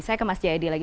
saya ke mas jayadi lagi